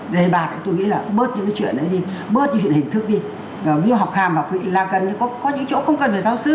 để bạc thì tôi nghĩ là bớt những cái chuyện đấy đi bớt những cái hình thức đi ví dụ học hàm học vị là cần có những chỗ không cần về giáo sư